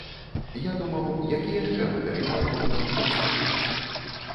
Я думаў, які яшчэ матэрыял можна выкарыстоўваць.